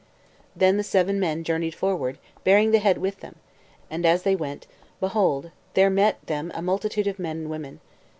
Then the seven men journeyed forward, bearing the head with them; and as they went, behold there met them a multitude of men and women.